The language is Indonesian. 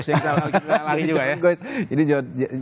saya juga lari juga ya